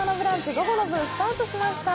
午後の部スタートしました。